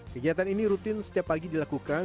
kegiatan ini rutin setiap pagi dilakukan